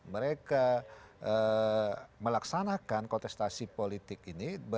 mereka melaksanakan kontestasi politik ini